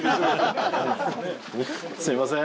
すみません。